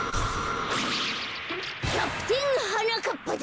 キャプテンはなかっぱだ！